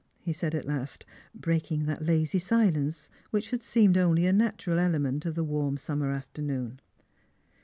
" he said at last, breaking that lazy silence which had seemed only a natural element of the warm summer afternoon.